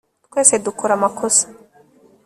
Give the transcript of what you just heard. twese dukora amakosa